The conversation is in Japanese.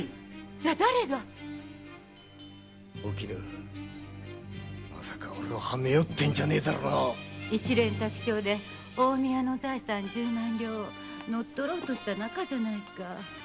じゃ誰が⁉お絹まさか俺をはめようってんじゃねえだろな？一蓮托生で近江屋の財産十万両を乗っ取ろうとした仲じゃないか。